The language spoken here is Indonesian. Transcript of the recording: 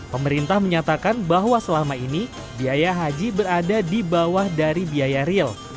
pemerintah menyatakan bahwa selama ini biaya haji berada di bawah dari biaya real